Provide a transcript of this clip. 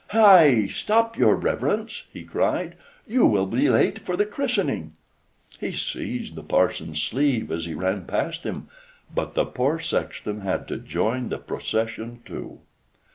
"Hi! stop, your reverence," he cried. "You will be late for the christening." He seized the parson's sleeve as he ran past him, but the poor sexton had to join the procession too.